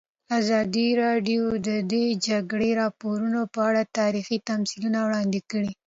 ازادي راډیو د د جګړې راپورونه په اړه تاریخي تمثیلونه وړاندې کړي.